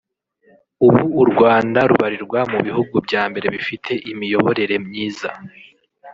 « Ubu u Rwanda rubarirwa mu bihugu byambere bifite imiyoborere myiza